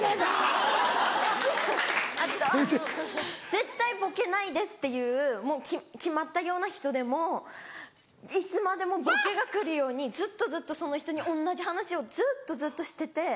絶対ボケないですっていう決まったような人でもいつまでもボケが来るようにずっとずっとその人に同じ話をずっとずっとしてて。